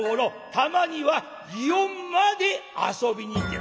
たまには園まで遊びに行ってる」。